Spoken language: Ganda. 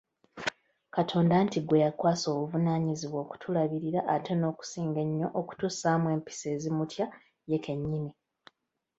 Katonda anti gwe yakwasa obuvunaanyizibwa okutulabirira ate n'okusinga ennyo okutussaamu empisa ezimutya ye kennyini.